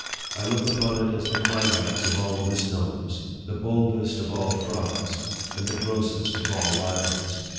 I look upon it as the cli max of all misnomers, the boldest of all frauds, and the grossest of all libels.